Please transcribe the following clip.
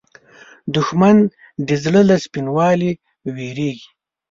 دښمن د زړه له سپینوالي وېرېږي